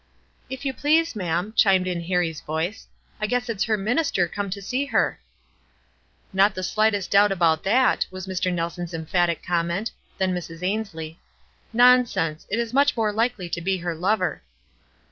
"If you please, ma'am," chimed in Harrie's voice, "I guess it's her minister come to see her." "Not the slightest doubt about that," was Mr. Nelson's emphatic comment ; then Mrs. Ainslie :— "Nonsense. It is much more likely to be her lover."